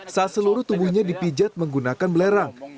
saat seluruh tubuhnya dipijat menggunakan belerang